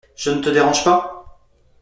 Je ne te dérange pas ?